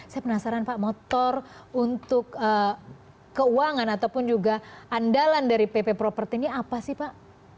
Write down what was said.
saya penasaran pak motor untuk keuangan ataupun juga andalan dari pp properti ini apa sih pak